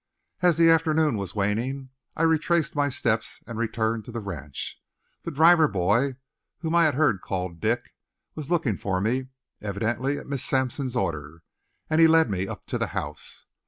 As the afternoon was waning I retraced my steps and returned to the ranch. The driver boy, whom I had heard called Dick, was looking for me, evidently at Miss Sampson's order, and he led me up to the house.